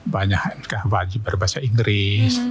banyak wajib berbahasa inggris